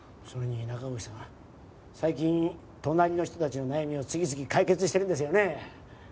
それに中越さん最近隣の人たちの悩みを次々解決してるんですよね？